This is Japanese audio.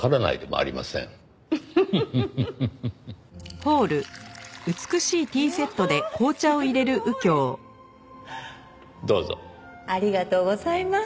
ありがとうございます。